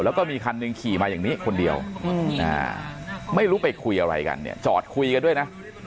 แล้วก็มีคันหนึ่งขี่มาอย่างนี้คนเดียวไม่รู้ไปคุยอะไรกันเนี่ยจอดคุยกันด้วยนะ